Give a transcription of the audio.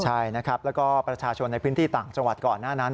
ใช่นะครับแล้วก็ประชาชนในพื้นที่ต่างจังหวัดก่อนหน้านั้น